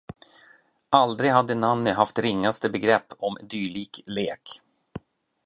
Aldrig hade Nanny haft ringaste begrepp om dylik lek.